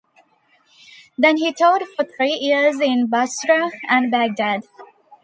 Then he taught for three years in Basrah and Baghdad.